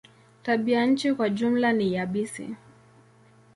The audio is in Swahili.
Tabianchi kwa jumla ni yabisi.